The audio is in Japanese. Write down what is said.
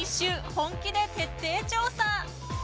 本気で徹底調査。